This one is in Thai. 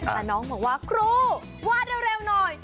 แต่น้องบอกว่าครูวาดเร็วหน่อย